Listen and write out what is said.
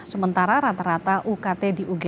sementara rata rata ukt di ugm